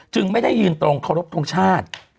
จึงไม่ได้ยืนตรงขอรบทุกชาติ